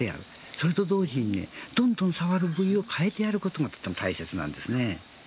それと同時にどんどん触る部位を変えてやることが大切なんです。